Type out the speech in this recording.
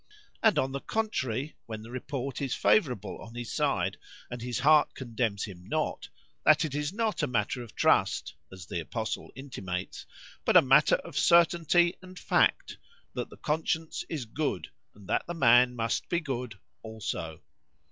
—And, on the contrary, when the report is favourable on his side, and his heart condemns him not:—that it is not a matter of trust, as the apostle intimates, but a matter of certainty and fact, that the conscience is good, and that the man must be good also."